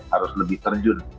harus lebih terjun